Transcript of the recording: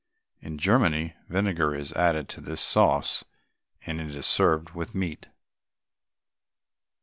In Germany, vinegar is added to this sauce and it is served with meat.